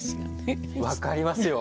分かりますよ。